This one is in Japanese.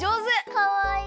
かわいい。